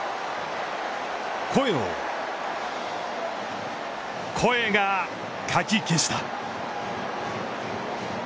声が声をかき消した。